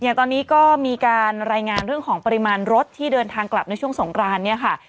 อย่างตอนนี้ก็มีการรายงานเรื่องของปริมาณรถที่เดินทางกลับในช่วงสงกรานเนี่ยค่ะ